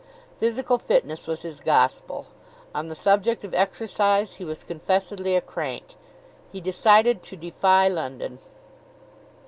Physical fitness was his gospel. On the subject of exercise he was confessedly a crank. He decided to defy London.